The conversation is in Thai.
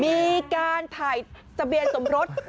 มีการถ่ายทะเบียนสมรส